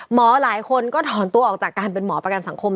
หลายคนก็ถอนตัวออกจากการเป็นหมอประกันสังคม